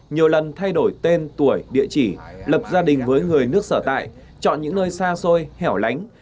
nhiều lần thay đổi tên tuổi địa chỉ lập gia đình với người nước sở tại chọn những nơi xa xôi hẻo lánh